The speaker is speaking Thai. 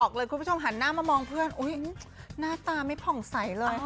เลยคุณผู้ชมหันหน้ามามองเพื่อนหน้าตาไม่ผ่องใสเลย